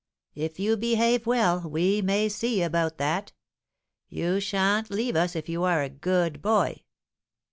"If you behave well, we may see about that. You sha'n't leave us if you are a good boy."